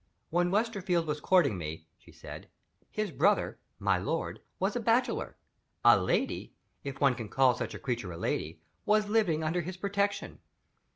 "When Westerfield was courting me," she said, "his brother (my lord) was a bachelor. A lady if one can call such a creature a lady! was living under his protection.